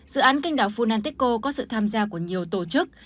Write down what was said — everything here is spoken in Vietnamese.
dự án canh đảo funanticco có sự tham gia của nhiều tổ chức